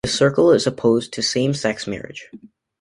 The Circle is opposed to same-sex marriage.